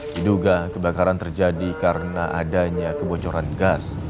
diduga kebakaran terjadi karena adanya kebocoran gas